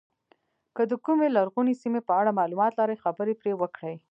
که د کومې لرغونې سیمې په اړه معلومات لرئ خبرې پرې وکړئ.